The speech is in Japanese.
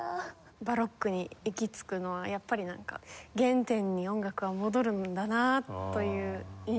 バロックに行き着くのはやっぱりなんか原点に音楽は戻るんだなという印象を受けました。